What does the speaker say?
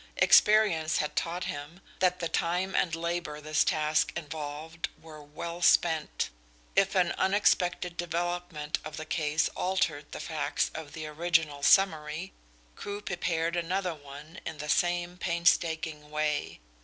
Experience had taught him that the time and labour this task involved were well spent. If an unexpected development of the case altered the facts of the original summary Crewe prepared another one in the same painstaking way.